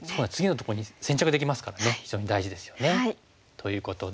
ということで。